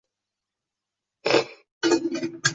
Kuchlar oʻzgarib turganiga koʻp guvohmiz.